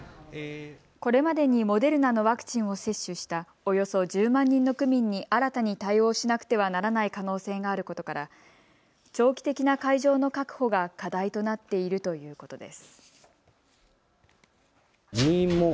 これまでにモデルナのワクチンを接種したおよそ１０万人の区民に新たに対応しなくてはならない可能性があることから長期的な会場の確保が課題となっているということです。